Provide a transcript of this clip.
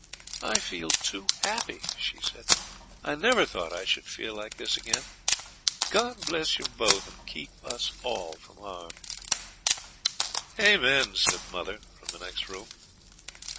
'I feel too happy,' she said; 'I never thought I should feel like this again. God bless you both, and keep us all from harm.' 'Amen,' said mother from the next room.